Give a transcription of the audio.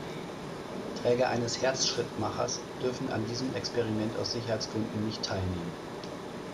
Träger eines Herzschrittmachers dürfen an diesem Experiment aus Sicherheitsgründen nicht teilnehmen.